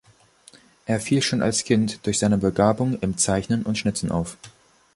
Er fiel schon als Kind durch seine Begabung im Zeichnen und Schnitzen auf.